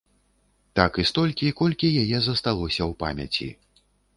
Так і столькі, колькі яе засталося ў памяці.